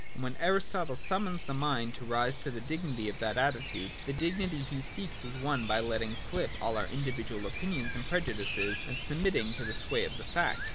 And when Aristotle summons the mind to rise to the dignity of that attitude, the dignity he seeks is won by letting slip all our individual opinions and pre judices, and submitting to the sway of the fact.